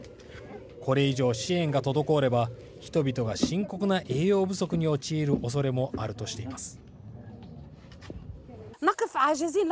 これ以上、支援が滞れば人々が深刻な栄養不足に陥るおそれもあるとしています。